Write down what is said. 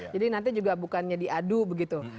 jadi nanti juga bukannya diadu begitu